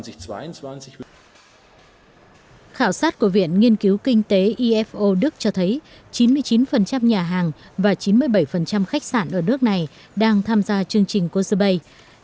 năm hai nghìn hai mươi hai khảo sát của viện nghiên cứu kinh tế ifo đức cho thấy chín mươi chín nhà hàng và chín mươi bảy khách sạn ở nước này đang tham gia chương trình cujabay